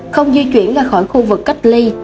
không di chuyển ra khỏi khu vực cách ly